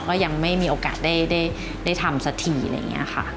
ก็ยังไม่มีโอกาสได้ทำสักทีอะไรอย่างนี้ค่ะ